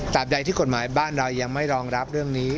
ใดที่กฎหมายบ้านเรายังไม่รองรับเรื่องนี้